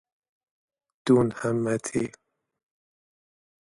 دون همتی